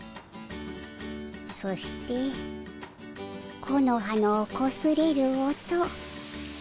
そして木の葉のこすれる音。